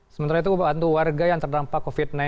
sementara itu membantu warga yang terdampak covid sembilan belas